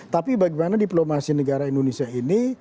tapi bagaimana diplomasi negara indonesia ini